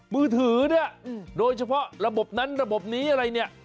มือถือเนี่ยโดยเฉพาะระบบนั้นระบบนี้อะไรเนี่ย